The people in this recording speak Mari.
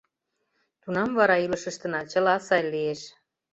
Тунам вара илышыштына чыла сай лиеш.